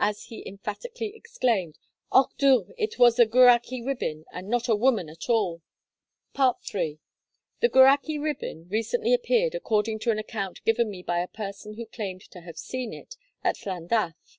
As he emphatically exclaimed, 'Och, Dduw! it was the Gwrach y Rhibyn, and not a woman at all.' III. The Gwrach y Rhibyn recently appeared, according to an account given me by a person who claimed to have seen it, at Llandaff.